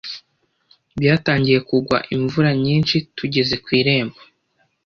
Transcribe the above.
Byatangiye kugwa imvura nyinshi tugeze ku irembo.